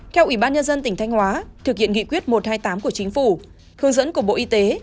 theo ubnd tỉnh thanh hóa thực hiện nghị quyết một trăm hai mươi tám của chính phủ hướng dẫn của bộ y tế